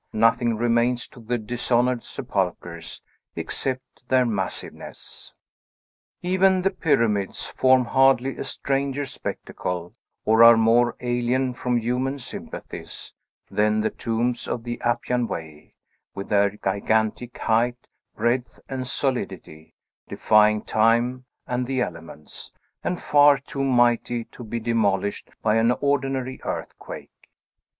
Nothing remains to the dishonored sepulchres, except their massiveness. Even the pyramids form hardly a stranger spectacle, or are more alien from human sympathies, than the tombs of the Appian Way, with their gigantic height, breadth, and solidity, defying time and the elements, and far too mighty to be demolished by an ordinary earthquake.